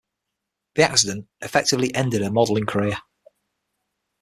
The accident effectively ended her modeling career.